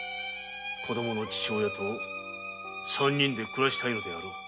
子供の父親と三人で暮らしたいのであろう。